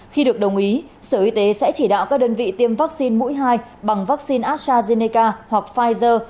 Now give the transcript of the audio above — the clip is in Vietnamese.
khi được đồng ý sở y tế sẽ chỉ đạo các đơn vị tiêm vaccine mũi hai bằng vaccine astrazeneca hoặc pfizer